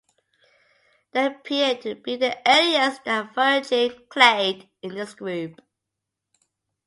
They appear to be the earliest diverging clade in this group.